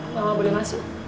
mama boleh masuk